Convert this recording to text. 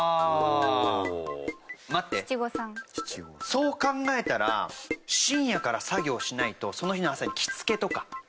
そう考えたら深夜から作業しないとその日の朝に着付けとか。